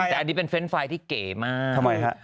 แต่อันนี้เป็นเฟรนด์ไฟล์ที่เก๋มาก